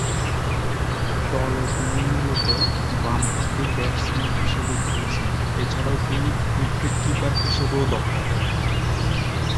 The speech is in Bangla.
দলে তিনি মূলতঃ বামহাতি ব্যাটসম্যান হিসেবে খেলছেন্ এছাড়াও তিনি উইকেট-কিপার হিসেবেও দক্ষ।